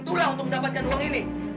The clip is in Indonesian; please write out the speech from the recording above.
tulang untuk mendapatkan uang ini